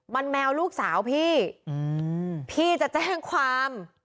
มันแมวลูกสาวพี่พี่จะแจ้งความ